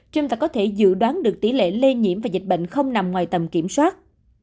chúng ta có thể dự đoán được tỷ lệ lây nhiễm và dịch bệnh không nằm ngoài tầm kiểm soát